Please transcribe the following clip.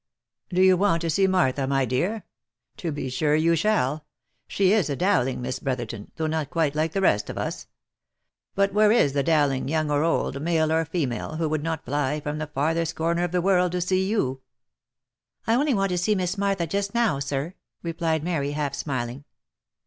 Do you want to see Martha, my dear? — To be sure you shall. She is a Dowling, Miss Brotherton, though not quite like the rest of us. But where is the Dowling, young or old, male or female, who would not fly from the farthest corner of the world to see you I" "I only want to see Miss Martha just now, sir," replied Mary, half smiling.